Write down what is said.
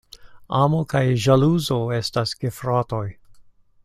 Amo kaj ĵaluzo estas gefratoj.